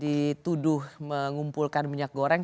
dituduh mengumpulkan minyak goreng